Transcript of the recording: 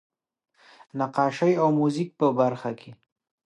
نقاشۍ او موزیک په برخه کې.